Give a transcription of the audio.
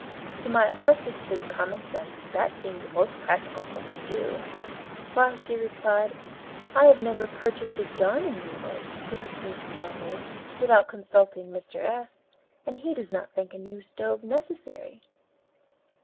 To my unassisted common sense that seemed the most practical thing to do. "Why," she replied, "I have never purchased a darning needle, to put the case strongly, without consulting Mr. S., and he does not think a new stove necessary."